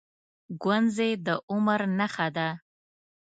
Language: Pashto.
گونځې د عمر نښه ده.